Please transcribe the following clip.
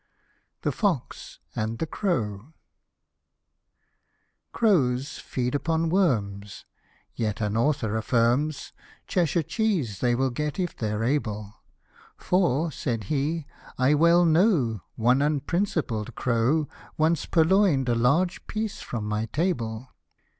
THE FOX AND THE CROW. CROWS feed upon worms : yet an author affirms, Cheshire cheese they will get if they're able, " For," said he, " I well know, one unprincipled crow., Once purloin'd a large piece from my table."